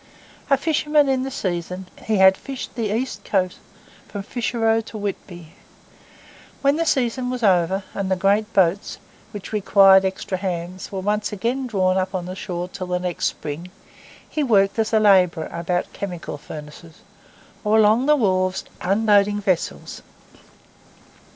A fisherman in the season, he had fished the east coast from Fisherrow to Whitby. When the season was over, and the great boats, which required extra hands, were once drawn up on shore till the next spring, he worked as a labourer about chemical furnaces, or along the wharves unloading vessels.